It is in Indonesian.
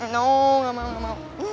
nggak mau nggak mau